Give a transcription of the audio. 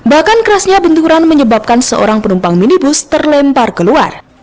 bahkan kerasnya benturan menyebabkan seorang penumpang minibus terlempar keluar